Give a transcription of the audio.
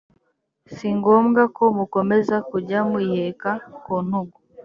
si ngombwa ko mukomeza kujya muyiheka ku ntugu